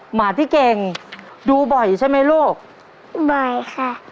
หมาที่เก่งดูบ่อยใช่ไหมลูกบ่อยค่ะ